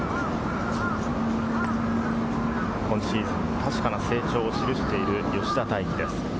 今シーズン、確かな成長を記している吉田泰基です。